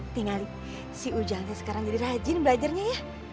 tinggal si ujangnya sekarang jadi rajin belajarnya ya